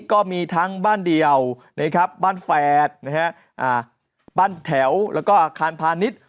ก็มีทั้งบ้านเดียวบ้านแฝดบ้านแถวแล้วก็อาคารพาณิชย์